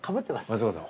松岡さん